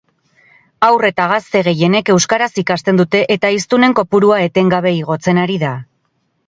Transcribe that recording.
Haur eta gazte gehienenek euskaraz ikasten dute eta hiztunen kopurua etengabe igotzen ari da